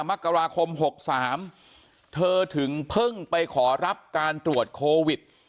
มกราคม๖๓เธอถึงเพิ่งไปขอรับการตรวจโควิด